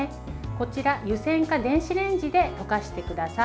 こちら、湯煎か電子レンジで溶かしてください。